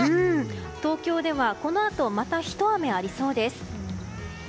東京ではこのあとまたひと雨ありそうです。